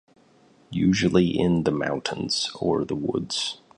Usually in the mountains or the woods.